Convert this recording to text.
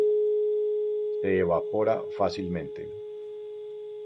Se evapora fácilmente.